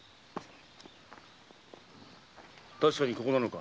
確かにここなのか？